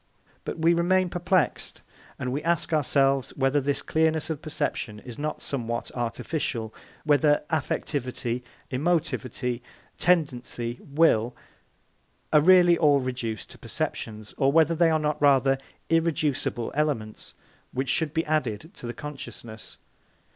But we remain perplexed, and we ask ourselves whether this clearness of perception is not somewhat artificial, whether affectivity, emotivity, tendency, will, are really all reduced to perceptions, or whether they are not rather irreducible elements which should be added to the consciousness.